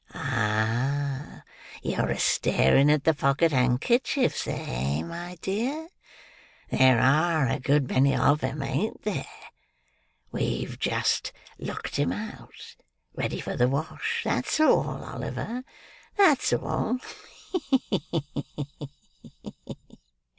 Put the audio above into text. Ah, you're a staring at the pocket handkerchiefs! eh, my dear. There are a good many of 'em, ain't there? We've just looked 'em out, ready for the wash; that's all, Oliver; that's all.